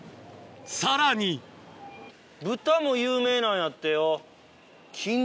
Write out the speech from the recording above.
さらに豚も有名なんやってよ。